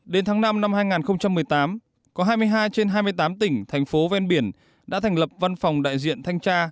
đến tháng năm năm hai nghìn một mươi tám có hai mươi hai trên hai mươi tám tỉnh thành phố ven biển đã thành lập văn phòng đại diện thanh tra